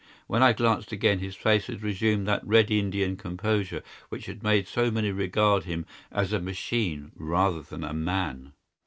When I glanced again his face had resumed that red Indian composure which had made so many regard him as a machine rather than a man.